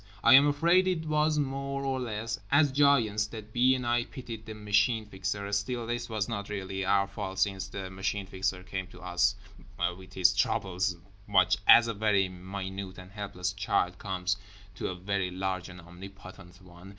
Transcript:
I am afraid it was more or less as giants that B. and I pitied the Machine Fixer—still this was not really our fault, since the Machine Fixer came to us with his troubles much as a very minute and helpless child comes to a very large and omnipotent one.